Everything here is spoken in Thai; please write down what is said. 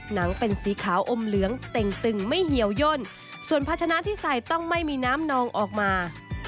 หนังเป็นสีขาวอมเหลืองเต็งตึงไม่เหี่ยวย่นส่วนพัชนะที่ใส่ต้องไม่มีน้ำนองออกมา